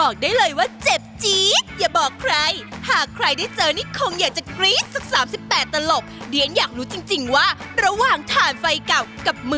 เข้าประเด็นเลยไหม